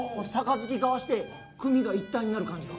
盃交わして組が一体になる感じが。